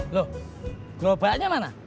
loh gerobaknya mana